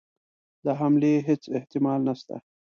د حملې هیڅ احتمال نسته.